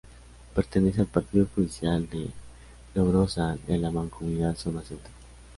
Pertenece al partido judicial de Logrosán y a la mancomunidad Zona Centro.